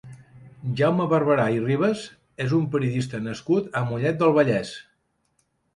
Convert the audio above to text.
Jaume Barberà i Ribas és un periodista nascut a Mollet del Vallès.